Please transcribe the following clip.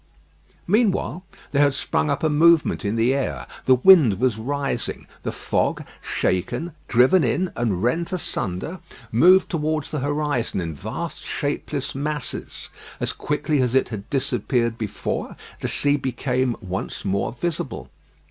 Meanwhile there had sprung up a movement in the air. The wind was rising. The fog, shaken, driven in, and rent asunder, moved towards the horizon in vast shapeless masses. As quickly as it had disappeared before, the sea became once more visible.